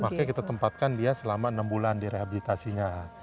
makanya kita tempatkan dia selama enam bulan di rehabilitasinya